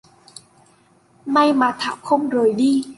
may mà thảo không rời đi